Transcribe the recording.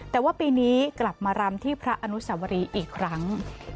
แต่ว่าปีนี้กลับมารำที่พระอนุสวรีอีกครั้ง